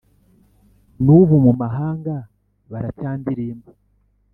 N'ubu mu mahanga baracyandilimba,